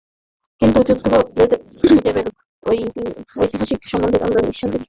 কিন্তু বুদ্ধদেবের ঐতিহাসিকতা সম্বন্ধে আমরা নিঃসন্দেহ।